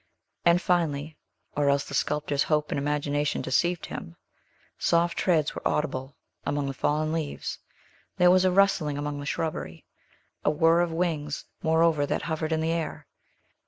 And finally, or else the sculptor's hope and imagination deceived him, soft treads were audible upon the fallen leaves. There was a rustling among the shrubbery; a whir of wings, moreover, that hovered in the air.